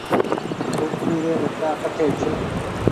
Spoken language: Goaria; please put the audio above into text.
ڪُڪڙي ري ٻچا ڪٺي ڇي